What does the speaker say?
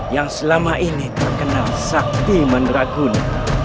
yang selama ini terkenal sakti manderaguna